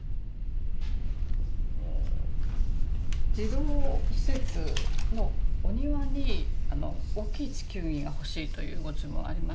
児童施設のお庭に大きい地球儀が欲しいというご注文ありまして。